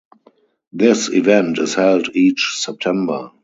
This event is held each September.